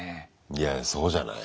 いやそうじゃない？